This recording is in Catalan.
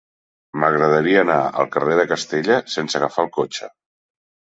M'agradaria anar al carrer de Castella sense agafar el cotxe.